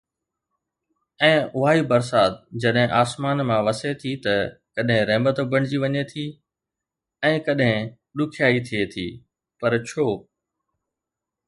۽ اها ئي برسات جڏهن آسمان مان وسي ٿي ته ڪڏهن رحمت بڻجي وڃي ٿي ۽ ڪڏهن ڏکيائي ٿئي ٿي، پر ڇو؟